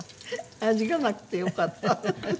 味がなくてよかったフフフ！